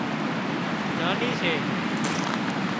ناني سي